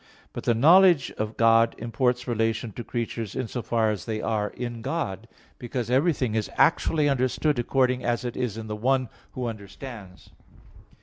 But the knowledge of God imports relation to creatures in so far as they are in God; because everything is actually understood according as it is in the one who understands.